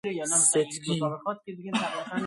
ستگی